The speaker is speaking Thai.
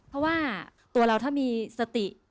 เพราะว่าตัวเราถ้ามีสติ